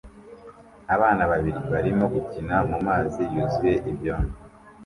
Abana babiri barimo gukina mumazi yuzuye ibyondo